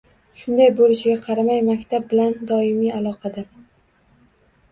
Shunday bo‘lishiga qaramay, maktab bilan doimiy aloqada.